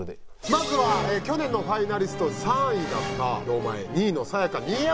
まずは去年のファイナリスト３位だった堂前２位のさや香新山。